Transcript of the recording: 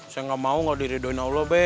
saya gak mau gak diharidauin oleh lo be